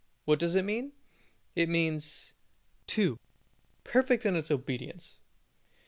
What does it mean? It means 2. Perfect in its obedience.